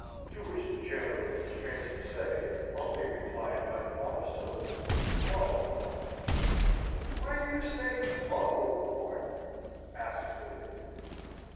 To which the General, strange to say, only replied by the monosyllable "Bo!" "Why do you say 'Bo!' Martin?" asks the lady.